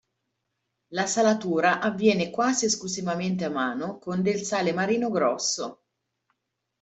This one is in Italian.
La salatura avviene quasi esclusivamente a mano con del sale marino grosso.